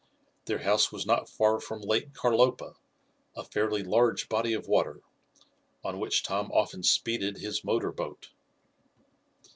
Their house was not far from Lake Carlopa, a fairly large body of water, on which Tom often speeded his motor boat.